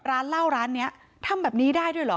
ร้านเหล้าร้านนี้ทำแบบนี้ได้ด้วยเหรอ